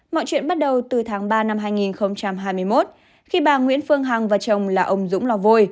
mọi chuyện bắt đầu từ tháng ba năm hai nghìn hai mươi một khi bà nguyễn phương hằng và chồng là ông dũng lò vôi